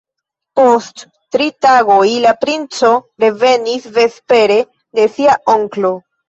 Post tri tagoj la princo revenis vespere de sia onklo.